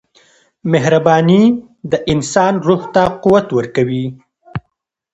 • مهرباني د انسان روح ته قوت ورکوي.